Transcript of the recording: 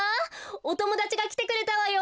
おともだちがきてくれたわよ！